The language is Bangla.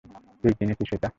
তুই কিনেছিস এটা?